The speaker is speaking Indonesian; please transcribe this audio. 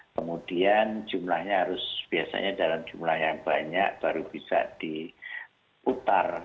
kemudian jumlahnya harus biasanya dalam jumlah yang banyak baru bisa diputar